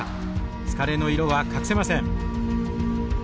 疲れの色は隠せません。